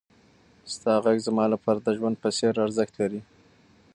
ستا غږ زما لپاره د ژوند په څېر ارزښت لري.